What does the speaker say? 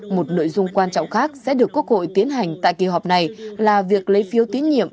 một nội dung quan trọng khác sẽ được quốc hội tiến hành tại kỳ họp này là việc lấy phiếu tín nhiệm